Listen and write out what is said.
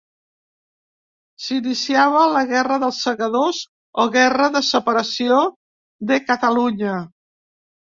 S'iniciava la Guerra dels Segadors o Guerra de Separació de Catalunya.